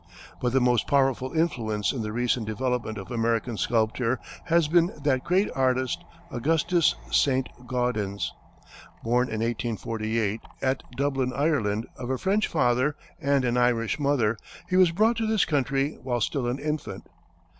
But the most powerful influence in the recent development of American sculpture has been that great artist, Augustus Saint Gaudens. Born in 1848, at Dublin, Ireland, of a French father and an Irish mother, he was brought to this country while still an infant.